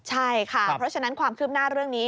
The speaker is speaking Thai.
ใช่ค่ะเพราะฉะนั้นความคืบหน้าเรื่องนี้